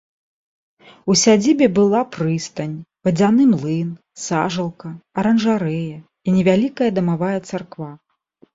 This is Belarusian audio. У сядзібе была прыстань, вадзяны млын, сажалка, аранжарэя і невялікая дамавая царква.